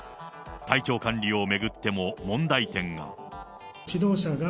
体調管理を巡っても問題点が。